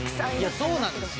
そうなんですよ。